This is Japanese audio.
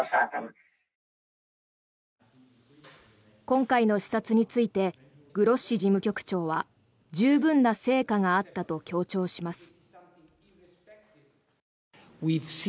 今回の視察についてグロッシ事務局長は十分な成果があったと強調します。